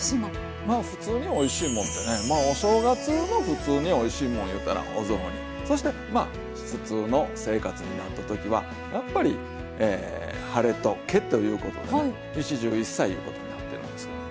まあ「ふつうにおいしいもん」ってねまあお正月の「ふつうにおいしいもん」いうたらお雑煮そして普通の生活になった時はやっぱり「ハレとケ」ということでね一汁一菜いうことになってるんですけどもね。